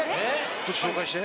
ちょっと紹介して。